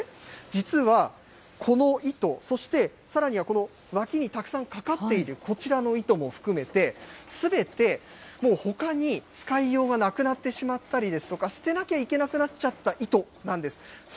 実はこの糸、そして、さらにはこの脇にたくさんかかっている、こちらの糸も含めて、すべて、もうほかに使いようがなくなってしまったりですとか、捨てなきゃいけなくなっちゃった糸なんですって。